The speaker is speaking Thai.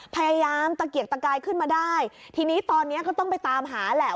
พยายามตะเกียกตะกายขึ้นมาได้ทีนี้ตอนเนี้ยก็ต้องไปตามหาแหละ